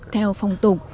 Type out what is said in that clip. theo phong tục